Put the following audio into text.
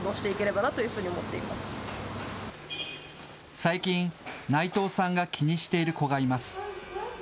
最近、内藤さんが気にしている子がいます。